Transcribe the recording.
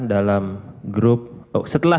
dalam grup setelah